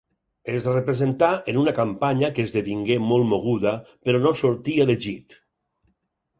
Es representà, en una campanya que esdevingué molt moguda, però no sortí elegit.